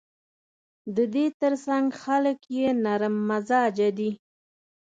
د دې ترڅنګ خلک یې نرم مزاجه دي.